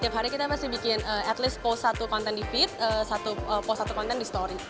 tiap hari kita masih bikin at least post satu konten di feed post satu konten di story